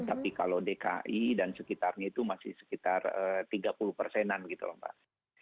tapi kalau dki dan sekitarnya itu masih sekitar tiga puluh persenan gitu loh mbak